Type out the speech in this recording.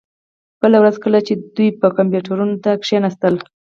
بله ورځ کله چې دوی بیا کمپیوټرونو ته کښیناستل